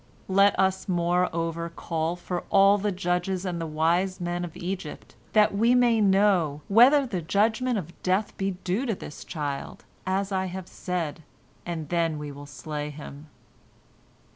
Let us, moreover, call for all the judges and the wise men of Egypt, that we may know whether the judgment of death be due to this child, as I have said, and then we will slay him."